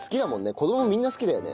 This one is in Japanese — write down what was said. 子どもみんな好きだよね。